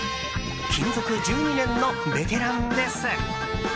勤続１２年のベテランです。